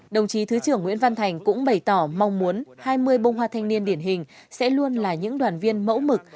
đồng chí thứ trưởng nguyễn văn thành cũng bày tỏ mong muốn hai mươi bông hoa thanh niên điển hình sẽ luôn là những đoàn viên mẫu mực